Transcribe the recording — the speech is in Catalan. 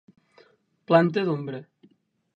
Planta d'ombra.